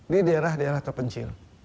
di daerah daerah terpencil